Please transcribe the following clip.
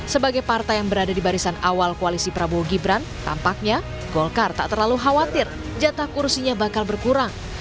sebagai partai yang berada di barisan awal koalisi prabowo gibran tampaknya golkar tak terlalu khawatir jatah kursinya bakal berkurang